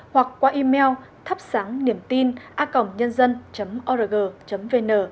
hoặc qua email thapsangniemtina org vn